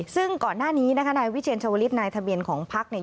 ซึ่งก่อนหน้านี้นายวิเทียลชวริทนายทะเบียนของภักดิ์